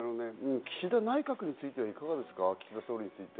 岸田内閣についてはいかがですか？